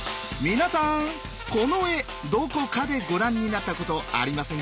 皆さんこの絵どこかでご覧になったことありませんか？